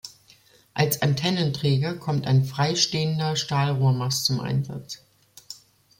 Als Antennenträger kommt ein freistehender Stahlrohrmast zum Einsatz.